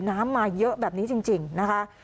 น้ำมาเยอะแบบนี้จริงนะคะ